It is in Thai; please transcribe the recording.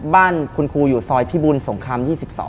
บ้านคุณครูอยู่ซอยพิบุญสงคราม๒๒